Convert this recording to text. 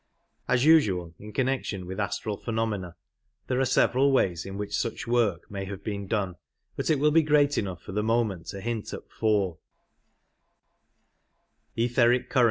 As usual in connection with astral phenomena, there are several ways in which such work may have been done, but it will be enough for the moment to hint at four.